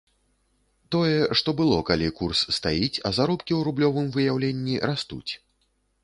Тое, што было, калі курс стаіць, а заробкі ў рублёвым выяўленні растуць.